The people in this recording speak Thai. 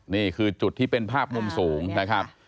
นี่คือจุดที่เป็นภาพมุมสูงนะครับ